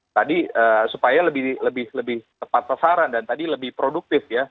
tadi supaya lebih tepat sasaran dan tadi lebih produktif ya